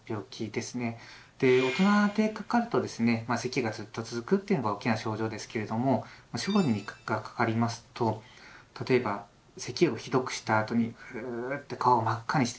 大人でかかるとですねせきがずっと続くというのが大きな症状ですけれども小児がかかりますと例えばせきをひどくしたあとにううっと顔を真っ赤にしてですね